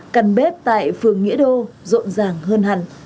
căn bếp tại phường nghĩa đô rộn ràng hơn hẳn